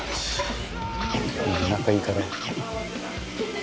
「もう仲いいから」